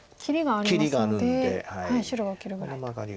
切りがありますので白は受けるぐらいと。